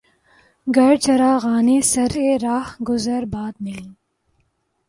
گر چراغانِ سرِ رہ گزرِ باد نہیں